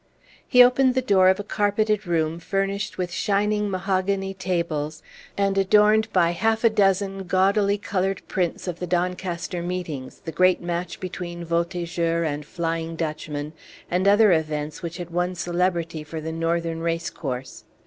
He opened the door of a carpeted room, furnished with shining mahogany tables, and adorned by half a dozen gaudily colored prints of the Doncaster meetings, the great match between Voltigeur and Flying Dutchman, and other events which had won celebrity for the northern race course.